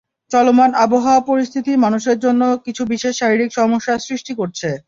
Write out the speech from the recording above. চলমান আবহাওয়া পরিস্থিতি মানুষের জন্য কিছু বিশেষ শারীরিক সমস্যা সৃষ্টি করছে।